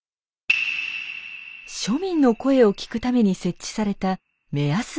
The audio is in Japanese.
庶民の声を聞くために設置された目安箱。